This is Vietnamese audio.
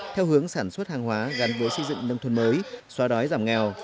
theo hướng sản xuất hàng hóa gắn với xây dựng nông thôn mới xóa đói giảm nghèo